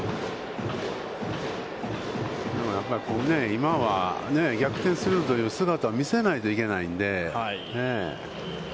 今は逆転するという姿を見せないといけないんで。